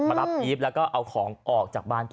รับอีฟแล้วก็เอาของออกจากบ้าน